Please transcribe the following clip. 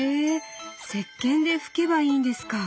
石けんで拭けばいいんですか。